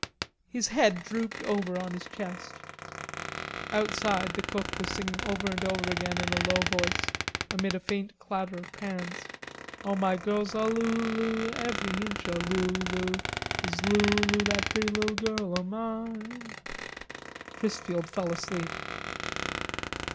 His head drooped over on his chest. Outside the cook was singing over and over again in a low voice, amid a faint clatter of pans: "O my girl's a lulu, every inch a lulu, Is Lulu, that pretty lil' girl o' mi ine." Chrisfield fell asleep.